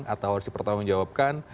atau harus dipertanggung jawabkan